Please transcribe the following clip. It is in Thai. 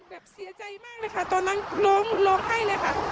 แบบเสียใจมากเลยค่ะตอนนั้นน้องร้องไห้เลยค่ะ